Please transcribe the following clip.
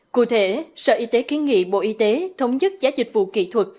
cụ thể sở y tế kiến nghị bộ y tế thống nhất giá dịch vụ kỹ thuật